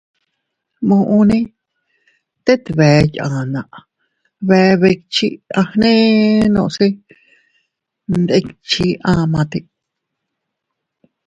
Muʼune tet bee yanna, bee bikchi, agnenose ndikchi amate.